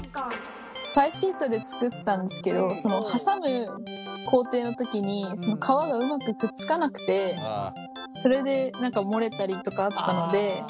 パイシートで作ったんですけど挟む工程の時に皮がうまくくっつかなくてそれで漏れたりとかあったので。